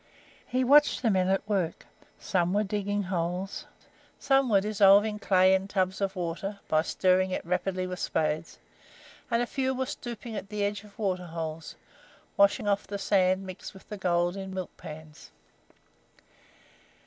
He watched the men at work; some were digging holes, some were dissolving clay in tubs of water by stirring it rapidly with spades, and a few were stooping at the edge of water holes, washing off the sand mixed with the gold in milk pans.